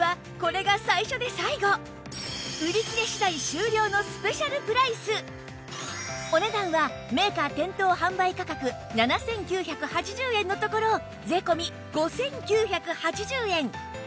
売り切れ次第終了のお値段はメーカー店頭販売価格７９８０円のところ税込５９８０円